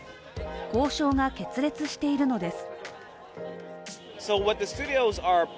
交渉が決裂しているのです。